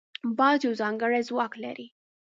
باز یو ځانګړی ځواک لري